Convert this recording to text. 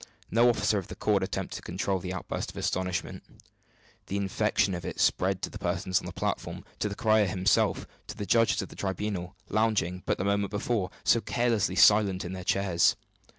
No officer of the court attempted to control the outburst of astonishment. The infection of it spread to the persons on the platform, to the crier himself, to the judges of the tribunal, lounging, but the moment before, so carelessly silent in their chairs.